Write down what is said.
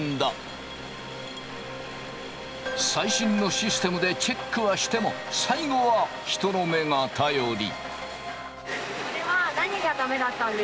最新のシステムでチェックはしても最後は人の目が頼り。